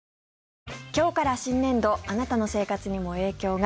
今日から新年度あなたの生活にも影響が。